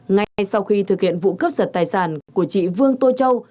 ngay sau khi thực hiện vụ cướp giật tài sản của chị vương tô châu